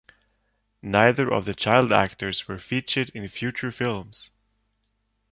Neither of the child actors were featured in future films.